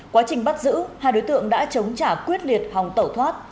quá trình bắt giữ hai đối tượng đã chống trả quyết liệt hòng tẩu thoát